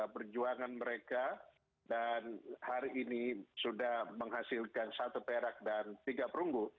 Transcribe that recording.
perjuangan mereka dan hari ini sudah menghasilkan satu perak dan tiga perunggu